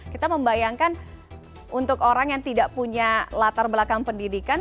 kita membayangkan untuk orang yang tidak punya latar belakang pendidikan